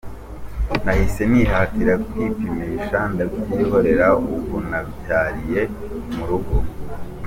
Nahise nitahira kwipimisha ndabyihorera, ubu nabyariye mu rugo”.